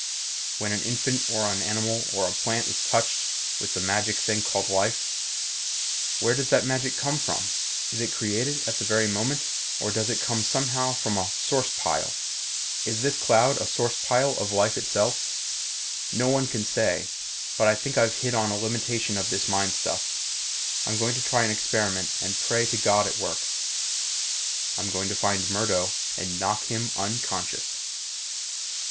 When an infant or an animal or a plant is touched with the magic thing called life where does that magic come from? Is it created at the very moment or does it come somehow from a source pile? Is this cloud a source pile of life itself? No one can say. But I think I've hit on a limitation of this mind stuff. I'm going to try an experiment and pray to God it works. I'm going to find Murdo and knock him unconscious.